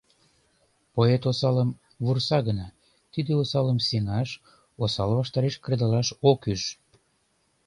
Поэт осалым вурса гына, тиде осалым сеҥаш, осал ваштареш кредалаш ок ӱж.